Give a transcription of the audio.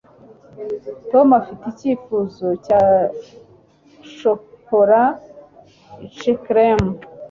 tom afite icyifuzo cya shokora ice cream